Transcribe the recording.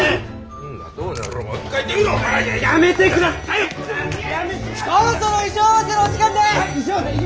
そろそろ衣装合わせのお時間です！